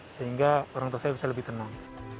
sehingga orang tua saya bisa lebih tenang